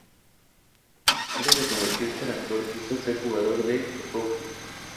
Antes de convertirse en actor quiso ser jugador de rugby.